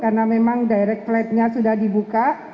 karena memang direct flight nya sudah dibuka